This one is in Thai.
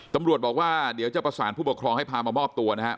ตำรวจบอกว่าเดี๋ยวจะประสานผู้ปกครองให้พามามอบตัวนะครับ